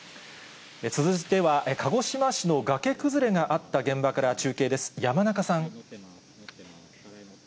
続いては、鹿児島市の崖崩れがあった現場から中継です、山中さん。